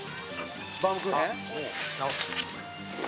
「バウムクーヘン？」